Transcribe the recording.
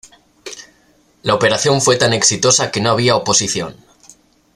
La operación fue tan exitosa que no había oposición.